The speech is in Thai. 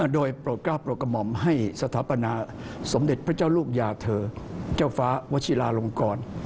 โดยโปรดก้าวโปรดกระหม่อมให้สถาปนาสมเด็จพระเจ้าลูกยาเธอเจ้าฟ้าวชิลาลงกร